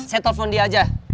saya telepon dia aja